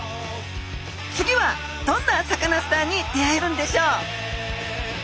次はどんなサカナスターに出会えるんでしょう？